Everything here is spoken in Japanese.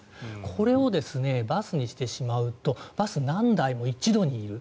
これをバスにしてしまうとバス、何台も一度にいる。